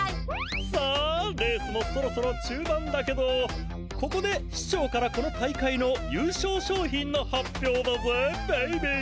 さあレースもそろそろ中ばんだけどここで市長からこの大会のゆう勝しょう品の発表だぜベイビー。